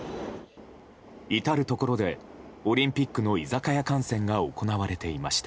至るところでオリンピックの居酒屋観戦が行われていました。